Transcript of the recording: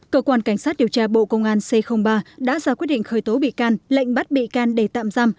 cơ quan cảnh sát điều tra bộ công an c ba đã ra quyết định khởi tố bị can lệnh bắt bị can để tạm giam